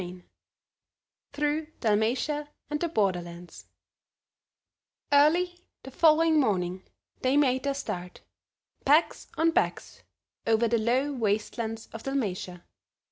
CHAPTER X THROUGH DALMATIA AND THE BORDER LANDS EARLY the following morning they made their start, packs on backs, over the low, waste lands of Dalmatia.